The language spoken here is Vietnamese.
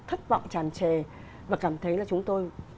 thất vọng tràn trề và cảm thấy là chúng tôi